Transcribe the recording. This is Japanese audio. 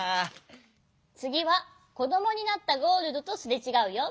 つぎはこどもになったゴールドとすれちがうよ。